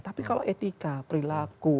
tapi kalau etika perilaku